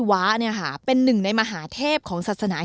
มาเกี่ยวพันธุ์ได้อย่างไรใช่มั้ย